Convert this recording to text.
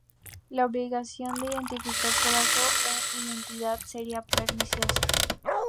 La obligación de identificar trabajo e identidad sería perniciosa.